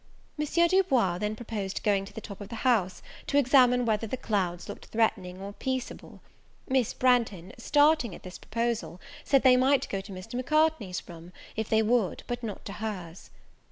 M. Du Bois then proposed going to the top of the house, to examine whether the clouds looked threatening or peaceable: Miss Branghton, starting at this proposal, said they might go to Mr. Macartney's room, if they would, but not to her's.